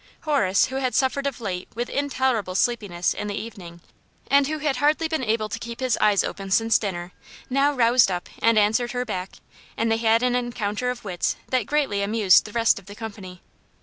Horace, who had suffered of late with intolerable sleepiness in the evening, and who had hardly been able to keep his Aunt Jane's Hero. 223 eyes open since dinner, now roused up and answered her back, and they had an encounter of wits that greatly amused the rest of the company.